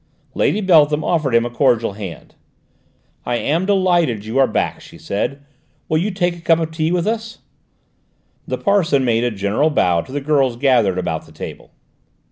Lady Beltham offered him a cordial hand. "I am delighted you are back," she said. "Will you have a cup of tea with us?" The parson made a general bow to the girls gathered about the table.